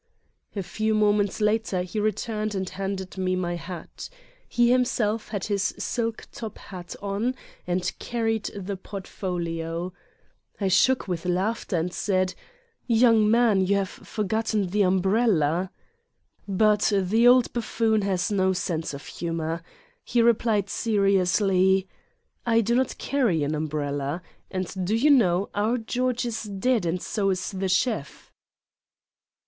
A few moments later he returned and handed me my hat, He himself had his silk top hat on and carried the portfolio. I shook with laughter and said: "Young man, you have forgotten the um brella!" But the old buffoon has no sense of humor. He replied seriously: " I do not carry an umbrella. And do you know, our George is dead and so is the chef."